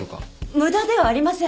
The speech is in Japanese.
無駄ではありません。